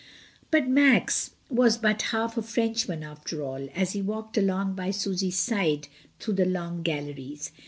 SAYING "GOOD BYE." I 29 But Max was but half a Frenchman, after all, as he walked along by Susy's side through the long galleries.